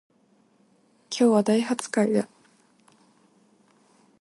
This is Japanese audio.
今日は大発会だ